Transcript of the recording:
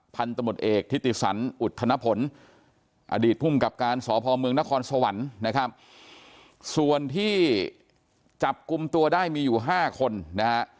พันธมตเอกทิติสันอุทธนพลอดีตภูมิกับการสพเมืองนครสวรรค์นะครับส่วนที่จับกลุ่มตัวได้มีอยู่๕คนนะฮะ